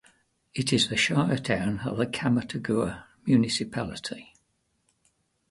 It is the shire town of the Camatagua Municipality.